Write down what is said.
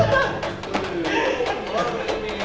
emang giliran entrepreneur magis begini deh